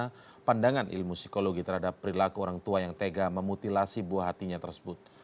bagaimana pandangan ilmu psikologi terhadap perilaku orang tua yang tega memutilasi buah hatinya tersebut